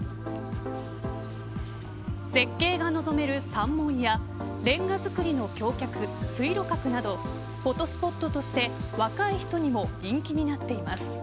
絶景が望める三門やレンガ造りの橋脚、水路閣などフォトスポットとして若い人にも人気になっています。